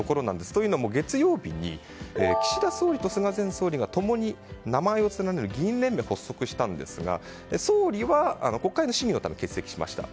というのも、月曜日に岸田総理と菅前総理が共に名前を連ねる議員連盟を発足したんですが総理は国会の審議のため欠席しました。